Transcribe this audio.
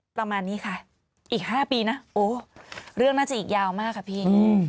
ประมาณนี้ค่ะอีก๕ปีนะโอ้เรื่องน่าจะอีกยาวมากค่ะพี่